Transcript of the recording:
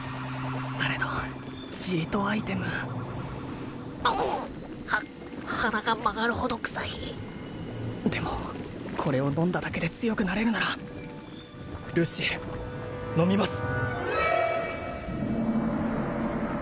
されどチートアイテムうっ！は鼻が曲がるほど臭いでもこれを飲んだだけで強くなれるならルシエル飲みます